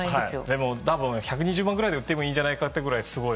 でも１２０万円ぐらいで売ってもいいんじゃないかというくらいすごい。